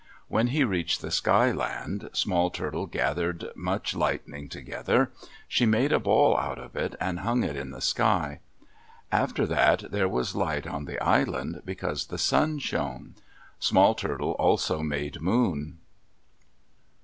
When she reached the Sky Land, Small Turtle gathered much lightning together. She made a ball out of it, and hung it in the sky. After that there was light on the island because the sun shone. Small Turtle also made moon.